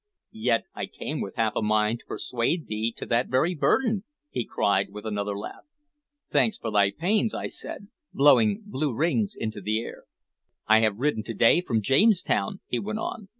"Yet I came with half a mind to persuade thee to that very burden!" he cried, with another laugh. "Thanks for thy pains," I said, blowing blue rings into the air. "I have ridden to day from Jamestown," he went on.